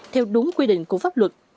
theo đúng quy định của pháp luật